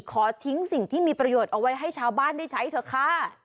ขอทิ้งสิ่งที่มีประโยชน์เอาไว้ให้ชาวบ้านได้ใช้เถอะค่ะ